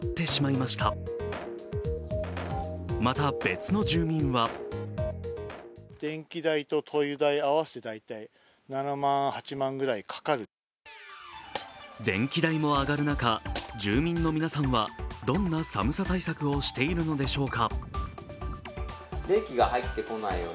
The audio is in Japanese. また別の住民は電気代も上がる中、住民の皆さんはどんな寒さ対策をしているのでしょうか。